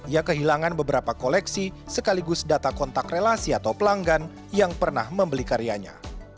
ia kehilangan beberapa koleksi sekaligus data kontak relasi atau pelanggan yang pernah membeli karyanya